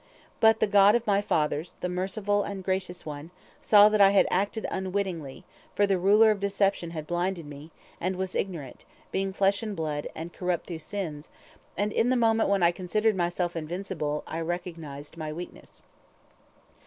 But the God of my fathers, the merciful and gracious One, saw that I had acted unwittingly, for the ruler of deception had blinded me, and I was ignorant, being flesh and blood, and corrupt through sins, and in the moment when I considered myself invincible, I recognized my weakness."